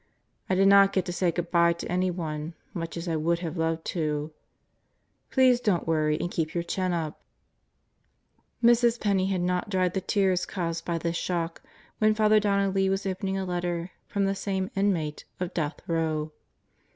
I did not get to say good by to anyone, much as I would have loved to. Please don't worry and keep your chin up I Mrs. Penney had not dried the tears caused by this shock when Father Donnelly was opening a letter from the same inmate of Death Row.